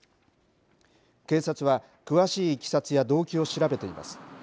警察は、詳しいいきさつや動機を調べています。